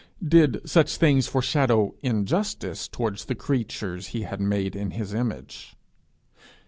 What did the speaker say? Did such things foreshadow injustice towards the creature he had made in his image?